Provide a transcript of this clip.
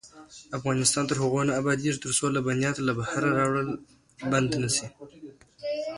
افغانستان تر هغو نه ابادیږي، ترڅو لبنیات له بهره راوړل بند نشي.